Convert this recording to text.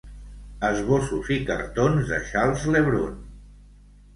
Esbossos i cartons de Charles Le Brun.